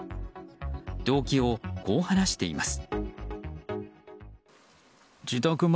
動機をこう話しています。